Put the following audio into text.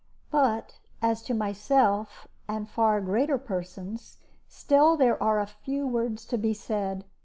But as to myself and far greater persons, still there are a few words to be said.